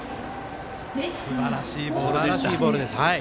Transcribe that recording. すばらしいボールでした。